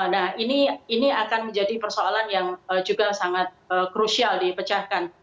nah ini akan menjadi persoalan yang juga sangat krusial dipecahkan